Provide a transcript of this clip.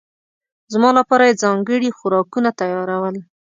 زما لپاره یې ځانګړي خوراکونه تيارول.